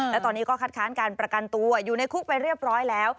และตอนนี้ก็คัดค้านการประกันตัวอยู่ในคุกไปเรียบร้อยแล้ว